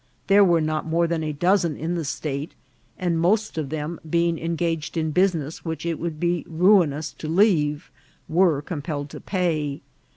There were not more than a dozen in the state, and most of them being en gaged in business which it would be ruinous to leave, were compelled to pay.